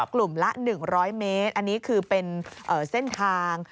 กลุ่มละ๑๐๐เมตรอันนี้คือเป็นเส้นทาง